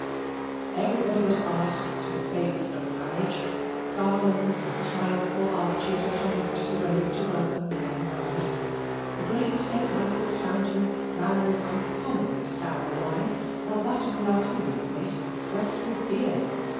Everybody was asked to the fetes of the marriage. Garlands and triumphal arches were hung across the road to welcome the young bride. The great Saint Michael's Fountain ran with uncommonly sour wine, while that in the Artillery Place frothed with beer.